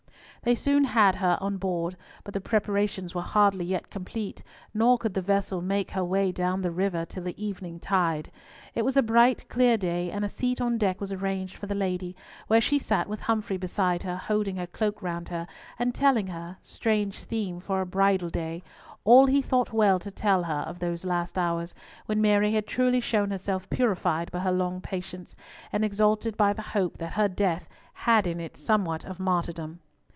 They soon had her on board, but the preparations were hardly yet complete, nor could the vessel make her way down the river until the evening tide. It was a bright clear day, and a seat on deck was arranged for the lady, where she sat with Humfrey beside her, holding her cloak round her, and telling her—strange theme for a bridal day—all he thought well to tell her of those last hours, when Mary had truly shown herself purified by her long patience, and exalted by the hope that her death had in it somewhat of martyrdom.